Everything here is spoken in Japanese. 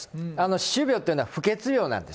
歯周病っていうのは不潔病なんです。